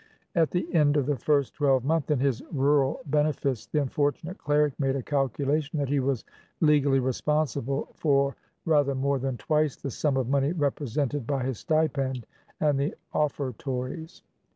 At the end of the first twelvemonth in his rural benefice the unfortunate cleric made a calculation that he was legally responsible for rather more than twice the sum of money represented by his stipend and the offertories.